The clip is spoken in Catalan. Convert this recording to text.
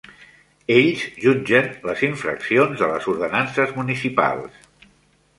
Ells jutgen les infraccions de les ordenances municipals.